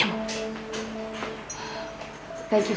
terima kasih sakti